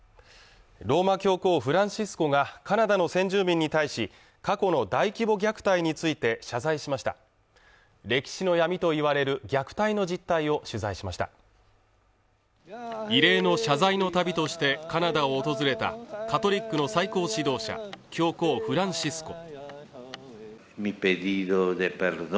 ローマ教皇フランシスコがカナダの先住民に対し過去の大規模虐待について謝罪しました歴史の闇といわれる虐待の実態を取材しました異例の謝罪の旅としてカナダを訪れたカトリックの最高指導者教皇フランシスコ